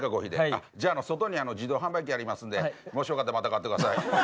じゃあ外に自動販売機ありますんでもしよかったらまた買って下さい。